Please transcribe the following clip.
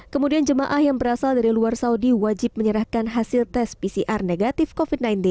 kemudian jemaah yang berasal dari luar saudi wajib menyerahkan hasil tes pcr negatif covid sembilan belas